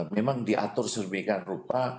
memang diatur sedemikian rupa